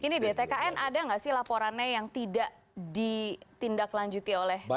ini di tkn ada nggak sih laporannya yang tidak ditindaklanjuti oleh bawaslu